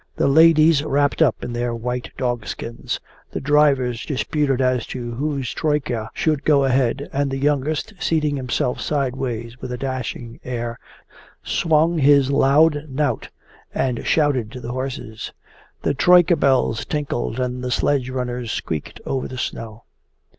The ladies wrapped up in their white dogskins. The drivers disputed as to whose troyka should go ahead, and the youngest, seating himself sideways with a dashing air, swung his long knout and shouted to the horses. The troyka bells tinkled and the sledge runners squeaked over the snow.